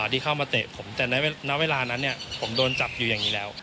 ที่เข้ามาเตะผมแต่ในเวลานั้นผมโดนจับอยู่อย่างนี้แล้ว